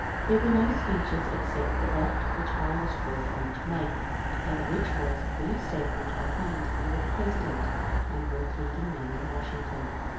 There were no speeches except that which I was called on to n^ake, and which was a brief statement of my interview with the President and with leading men in Washington.